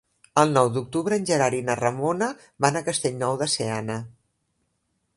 El nou d'octubre en Gerard i na Ramona van a Castellnou de Seana.